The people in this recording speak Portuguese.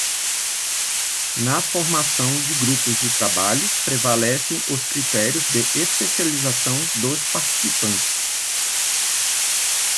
Na formação de grupos de trabalho prevalecem os critérios de especialização dos participantes.